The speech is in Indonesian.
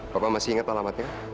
bapak masih inget alamatnya